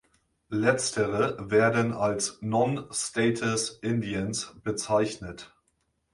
Letztere werden als "Non-status Indians" bezeichnet.